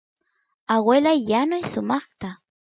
aguelay yanuy sumaqta